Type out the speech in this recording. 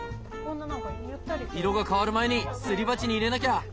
色が変わる前にすり鉢に入れなきゃ！